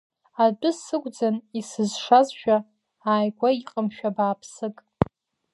Адәы сықәӡан исызшазшәа, ааигәа иҟамшәа бааԥсык.